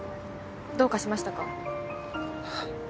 どうかしましたか？